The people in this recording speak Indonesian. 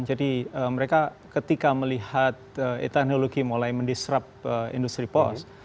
jadi mereka ketika melihat etanologi mulai mendisrap industri pos